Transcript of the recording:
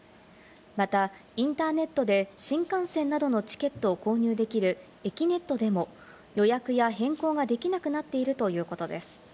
また、インターネットで新幹線などのチケットを購入できる、えきねっとでも予約や変更ができなくなっているということです。